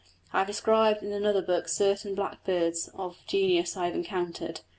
I have described in another book certain blackbirds of genius I have encountered.